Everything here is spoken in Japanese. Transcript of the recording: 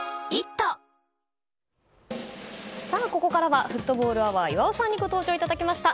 ここからはフットボールアワー岩尾さんにご登場いただきました。